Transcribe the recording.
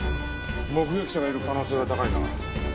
目撃者がいる可能性が高いな。